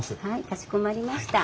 かしこまりました。